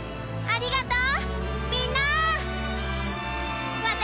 ありがとう。